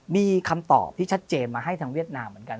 มีคำตอบที่ชัดเจนมาให้ทางเวียดนามเหมือนกัน